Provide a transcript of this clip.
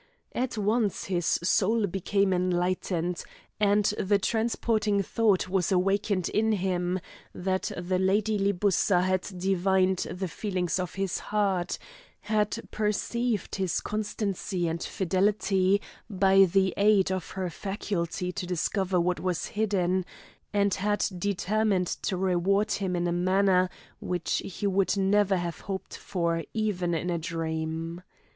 At once his soul became enlightened; and the transporting thought was awakened in him, that the Lady Libussa had divined the feelings of his heart, had perceived his constancy and fidelity, by the aid of her faculty to discover what was hidden, and had determined to reward them in a manner which he would never have hoped for even in a dream.